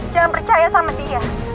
jangan percaya sama dia